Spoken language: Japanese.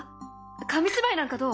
紙芝居なんかどう？